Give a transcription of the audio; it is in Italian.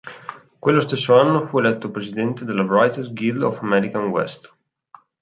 Quello stesso anno fu eletto presidente della Writers Guild of America West.